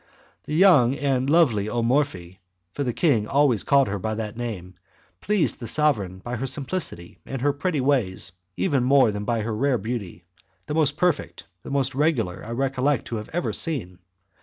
The young and lovely O Morphi for the king always called her by that name pleased the sovereign by her simplicity and her pretty ways more even than by her rare beauty the most perfect, the most regular, I recollect to have ever seen.